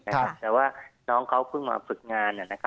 แต่ว่าน้องเขาเพิ่งมาฝึกงาน